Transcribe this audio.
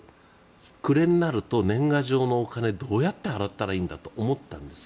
暮れになると年賀状のお金をどう払ったらいいんだと思ったんです。